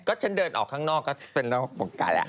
ฉันเดินออกข้างนอกก็เป็นนอกวงการแหละ